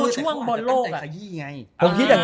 ที่อ่านี่ค่อนข้าง